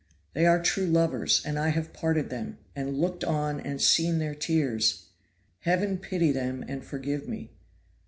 They are true lovers, and I have parted them, and looked on and seen their tears. Heaven pity them and forgive me.